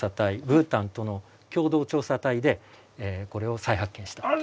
ブータンとの共同調査隊でこれを再発見した。